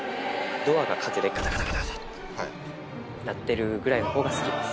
ドアが風で、がたがたがたって、なってるぐらいのほうが好きです。